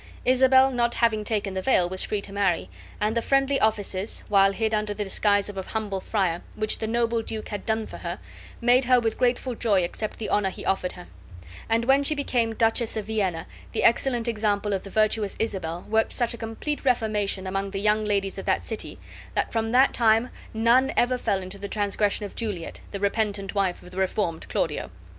Isabel, not having taken the veil, was free to marry; and the friendly offices, while hid under the disguise of a humble friar, which the noble duke had done for her, made her with grateful joy accept the honor he offered her; and when she became Duchess of Vienna the excellent example of the virtuous Isabel worked such a complete reformation among the young ladies of that city, that from that time none ever fell into the transgression of Juliet, the repentant wife of the reformed Claudio.